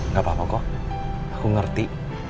nggak apa apa kok aku ngerti